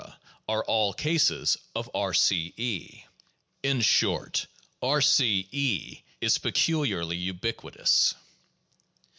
are all cases of R°(E). In short, R C (E) is peculiarly ubiquitous.